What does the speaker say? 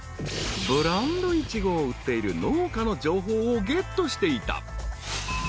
［ブランドイチゴを売っている農家の情報をゲットしていた］